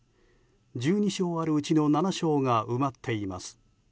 １２床あるうちの７床が埋まっています。